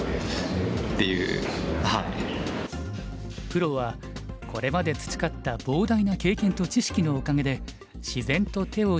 プロはこれまで培った膨大な経験と知識のおかげで自然と手を絞ることができるようです。